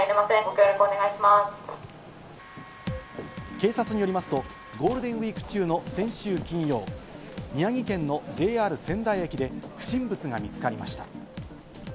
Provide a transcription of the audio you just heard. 警察によりますとゴールデンウイーク中の先週金曜、宮城県のＪＲ仙台駅で不審物が見つかりました。